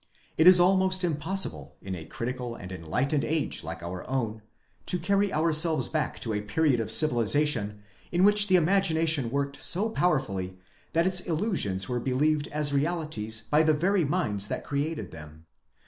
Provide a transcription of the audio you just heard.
It is almost impossible, in a critical and enlightened age like our own, to carry ourselves back to a period of civiliza tion in which the imagination worked so powerfully, that its illusions were believed as realities by the very minds that created them.